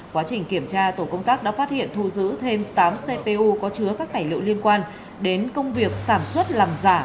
quá trình kiểm tra tổ công tác đã phát hiện thu giữ thêm tám cpu có chứa các tài liệu liên quan đến công việc sản xuất làm giả